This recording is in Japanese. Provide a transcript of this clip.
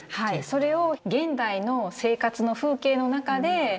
それを現代の生活の風景の中で置き直してる。